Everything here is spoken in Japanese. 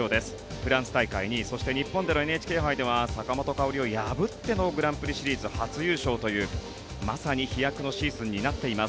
フランス大会２位そして日本でのＮＨＫ杯では坂本花織を破ってのグランプリシリーズ初優勝というまさに飛躍のシーズンになっています。